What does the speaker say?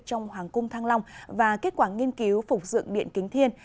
trong hoàng cung thăng long và kết quả nghiên cứu phục dựng điện kính thiên